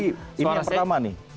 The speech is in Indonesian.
oh jadi ini yang pertama nih